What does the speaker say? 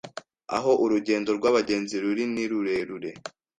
Aho urugendo rwabagenzi ruri nirurerure